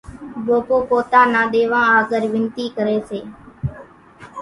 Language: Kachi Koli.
ڀوپو پوتا نان ۮيوان آڳر وينتي ڪري سي